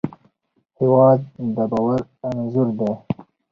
هېواد د باور انځور دی.